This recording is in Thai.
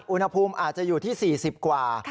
อุณหภูมิอาจจะอยู่ที่๔๐กว่า